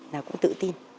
là cũng tự tin